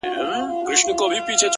o هغه اوس گل ماسوم په غېږه كي وړي،